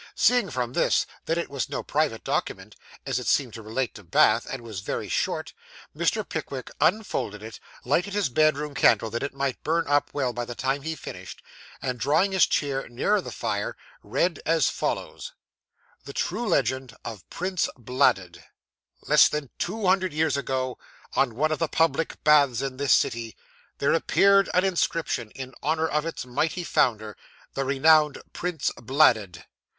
Seeing from this, that it was no private document; and as it seemed to relate to Bath, and was very short: Mr. Pick wick unfolded it, lighted his bedroom candle that it might burn up well by the time he finished; and drawing his chair nearer the fire, read as follows THE TRUE LEGEND OF PRINCE BLADUD 'Less than two hundred years ago, on one of the public baths in this city, there appeared an inscription in honour of its mighty founder, the renowned Prince Bladud.